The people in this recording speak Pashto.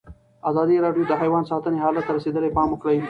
ازادي راډیو د حیوان ساتنه حالت ته رسېدلي پام کړی.